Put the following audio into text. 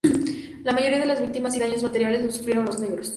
La mayoría de las víctimas y daños materiales los sufrieron los negros.